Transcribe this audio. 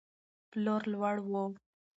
پلور لوړ و.